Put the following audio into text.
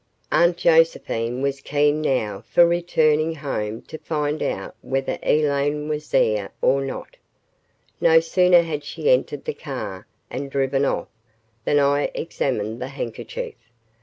Aunt Josephine was keen now for returning home to find out whether Elaine was there or not. No sooner had she entered the car and driven off, than I examined the handkerchief.